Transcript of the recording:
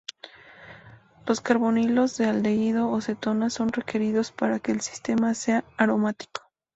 Los carbonilos de aldehído o cetona son requeridos para que el sistema sea aromático.